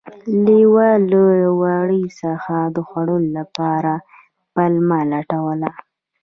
لیوه له وري څخه د خوړلو لپاره پلمه لټوله.